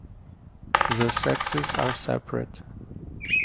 The sexes are separate.